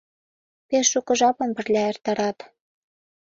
Пеш шуко жапым пырля эртарат.